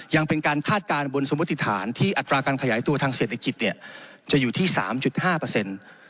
ยังเป็นการคาดการณ์บนสมมติฐานที่อัตราการขยายตัวทางเศรษฐกิจเนี่ยจะอยู่ที่สามจุดห้าเปอร์เซ็นต์